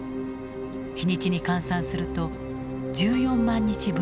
日にちに換算すると１４万日分になる。